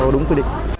đúng quy định